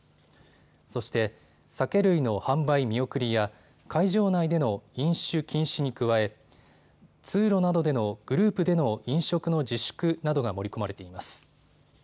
そして酒類の販売を見送りや会場内での飲酒禁止に加え、通路などでのグループでの飲食の自粛などが盛り込まれています。